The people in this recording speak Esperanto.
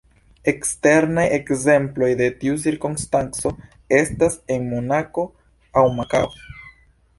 Ekstremaj ekzemploj de tiu cirkonstanco estas en Monako aŭ Makao.